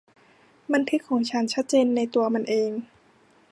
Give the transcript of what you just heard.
บันทึกของฉันชัดเจนในตัวมันเอง